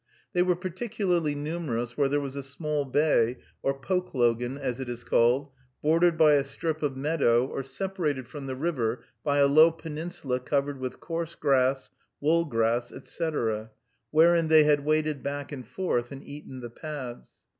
They were particularly numerous where there was a small bay, or pokelogan, as it is called, bordered by a strip of meadow, or separated from the river by a low peninsula covered with coarse grass, wool grass, etc., wherein they had waded back and forth and eaten the pads.